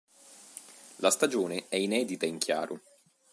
La stagione è inedita in chiaro.